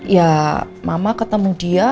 ya mama ketemu dia